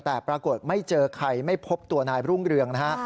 แต่ปรากฏไม่เจอใครไม่พบตัวนายรุ่งเรืองนะฮะ